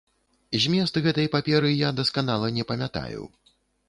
Змест гэтай паперы я дасканала не памятаю.